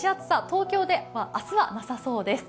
東京では明日はなさそうです。